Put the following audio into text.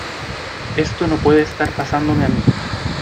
Esto no puede estar pasándome a mí.